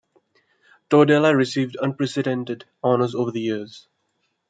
Tordella received unprecedented honors over the years.